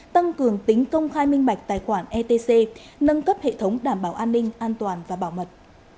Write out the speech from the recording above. tăng cường tính công khai minh bạch tài khoản etc nâng cấp hệ thống đảm bảo an ninh an toàn và bảo mật